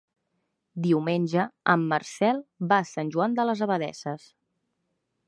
Diumenge en Marcel va a Sant Joan de les Abadesses.